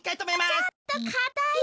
ちょっとかたいです。